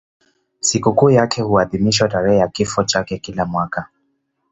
Sikukuu yake huadhimishwa tarehe ya kifo chake kila mwaka.